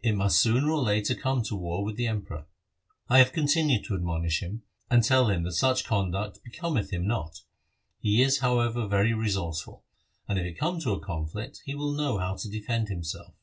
It must sooner or later come to war with the Emperor. I have continued to admonish him, and tell him that such conduct becometh him not. He is, however, very resourceful, and, if it come to a conflict, he will know how to defend himself.